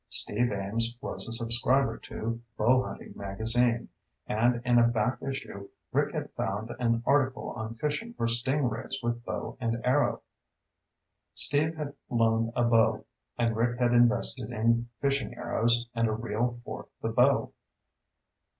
Steve Ames was a subscriber to Bowhunting Magazine, and in a back issue Rick had found an article on fishing for sting rays with bow and arrow. Steve had loaned a bow, and Rick had invested in fishing arrows and a reel for the bow.